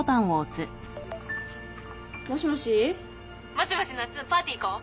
もしもしなっつんパーティー行こう。